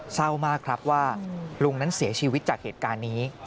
เศร้ามากครับว่าลุงนั้นเสียชีวิตจากเหตุการณ์นี้